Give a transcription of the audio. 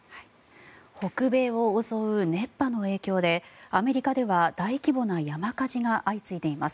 北米を襲う熱波の影響でアメリカでは大規模な山火事が相次いでいます。